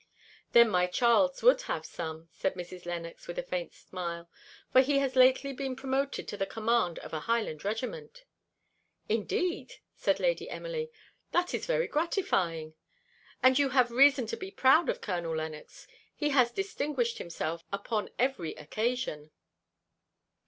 "Then my Charles would have some," said Mrs. Lennox, with a faint smile; "for he has lately been promoted to the command of a Highland regiment." "Indeed!" said Lady Emily, "that is very gratifying, and you have reason to be proud of Colonel Lennox; he has distinguished himself upon every occasion."